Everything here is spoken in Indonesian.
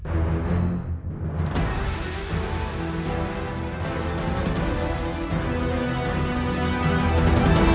aku akan membunuhnya